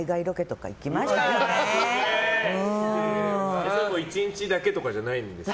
撮影１日だけとかじゃないんですか。